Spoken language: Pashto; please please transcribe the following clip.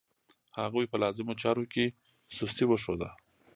هغوی په لازمو چارو کې سستي وښوده.